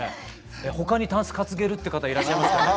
他にたんす担げるって方いらっしゃいますか？